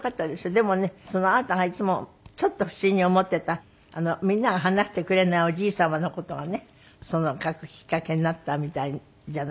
でもねあなたがいつもちょっと不思議に思ってたみんなが話してくれないおじい様の事がね書くきっかけになったみたいじゃない？